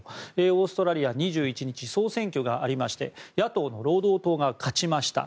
オーストラリア２１日、総選挙がありまして野党の労働党が勝ちました。